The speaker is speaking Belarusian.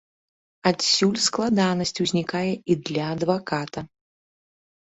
Адсюль складанасць узнікае і для адваката.